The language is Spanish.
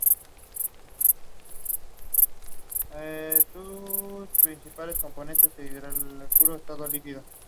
El astro central se sitúa en uno de los focos de la elipse.